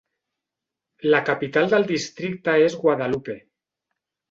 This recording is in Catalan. La capital del districte és Guadalupe.